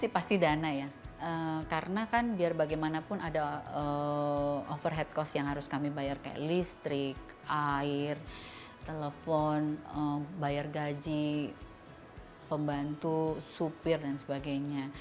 pasti dana ya karena kan biar bagaimanapun ada overhead cost yang harus kami bayar kayak listrik air telepon bayar gaji pembantu supir dan sebagainya